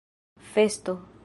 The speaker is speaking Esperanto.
festo